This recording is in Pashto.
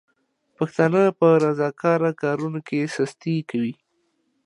پښتانه په رضاکاره کارونو کې سستي کوي.